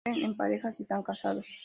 Viven en pareja y están casados.